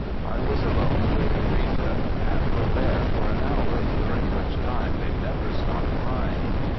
I was alone with. Rita and Robert for an hour, during which time they never stopped crying.